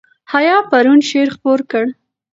حیا پرون شعر خپور کړ.